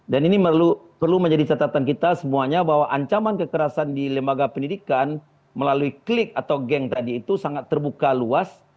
dan ini perlu menjadi catatan kita semuanya bahwa ancaman kekerasan di lembaga pendidikan melalui klik atau geng tadi itu sangat terbuka luas